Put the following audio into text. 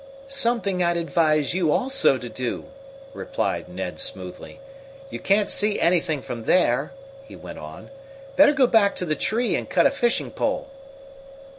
"Something I'd advise you also to do," replied Ned smoothly. "You can't see anything from there," he went on. "Better go back to the tree and cut a fishing pole!"